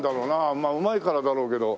まあうまいからだろうけど。